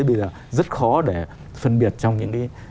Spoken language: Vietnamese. bây giờ rất khó để phân biệt trong những cái